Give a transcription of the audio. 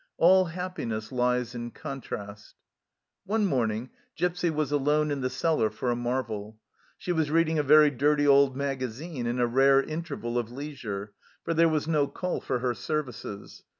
All happiness lies in contrast. One morning Gipsy was alone in the cellar for a marvel ; she was reading a very dirty old magazine in a rare interval of leisure, for there was no call for her services.